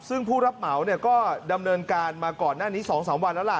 ซึ่งผู้รับเหมาก็ดำเนินการมาก่อนหน้านี้๒๓วันแล้วล่ะ